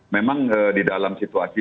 memang di dalam situasi